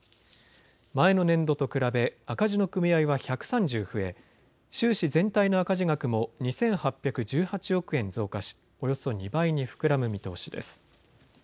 前の年度と比べ赤字の組合は１３０増え収支全体の赤字額も２８１８億円増加し、およそ２倍に膨らむ見通しです。